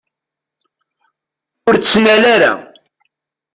Ur ttnal ara.